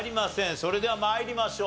それでは参りましょう。